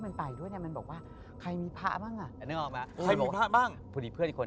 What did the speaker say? นิ่งไปเลยตอนนั้นนึกถึงผีหรือยัง